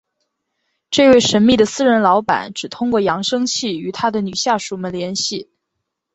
这位神秘的私人老板只通过扬声器与他的女下属们联系。